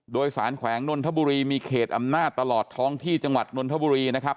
โดยสารแขวงนนทบุรีมีเขตอำนาจตลอดท้องที่จังหวัดนนทบุรีนะครับ